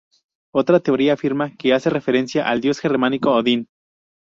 Otra teoría afirma que hace referencia al dios germánico Odín.